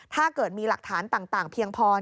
ถ้าเกิดมีหลักฐานต่างเพียงพอ